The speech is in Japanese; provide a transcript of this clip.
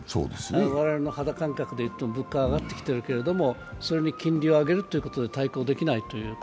我々の肌感覚でいうと物価は上がってきているけれどもそれに金利を上げるということで対抗できないと。